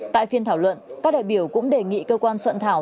tại phiên thảo luận các đại biểu cũng đề nghị cơ quan soạn thảo